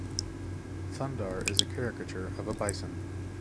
Thundar is a caricature of a bison.